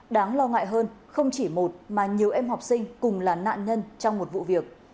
đáng lo ngại hơn không chỉ một mà nhiều em học sinh cùng là nạn nhân trong một vụ việc